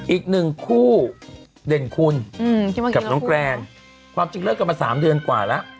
อีกหนึ่งคู่เด่นคุณกับน้องแกรนความจริงเลิกกันมา๓เดือนกว่าแล้ว